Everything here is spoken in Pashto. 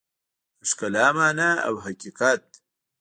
د ښکلا مانا او حقیقت